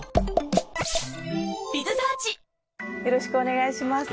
よろしくお願いします。